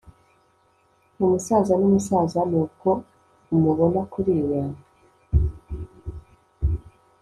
umusaza n'umusaza nubwo umubona kuriya